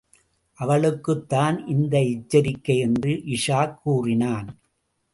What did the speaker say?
அவளுக்குத்தான் இந்த எச்சரிக்கை என்று இஷாக் கூறினான்.